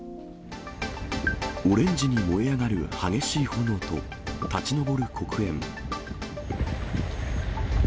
オレンジに燃え上がる激しい炎と、立ち上る黒煙。